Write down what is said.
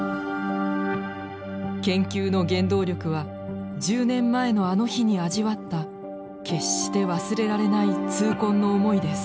研究の原動力は１０年前のあの日に味わった決して忘れられない痛恨の思いです。